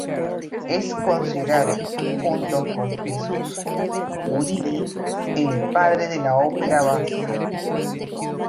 Es considerado, junto con Jesús Guridi, el padre de la ópera vasca.